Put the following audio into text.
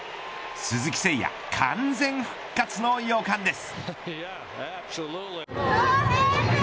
鈴木誠也、完全復活の予感です。